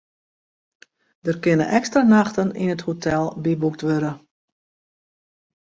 Der kinne ekstra nachten yn it hotel byboekt wurde.